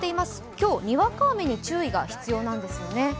今日にわか雨に注意が必要なんですよね。